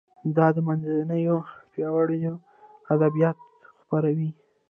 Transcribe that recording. دا د منځنیو پیړیو ادبیات خپروي.